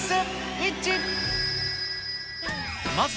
イッチ。